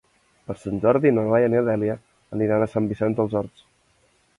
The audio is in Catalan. Per Sant Jordi na Laia i na Dèlia aniran a Sant Vicenç dels Horts.